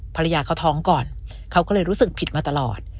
ภรรยาเขาท้องก่อนเขาก็เลยรู้สึกผิดมาตลอด